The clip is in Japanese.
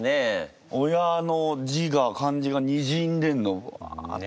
親の字が漢字がにじんでんのぶわって。